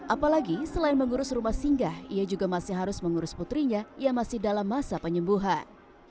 apalagi selain mengurus rumah singgah ia juga masih harus mengurus putrinya yang masih dalam masa penyembuhan